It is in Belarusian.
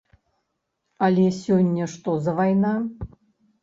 Але сёння што за вайна?!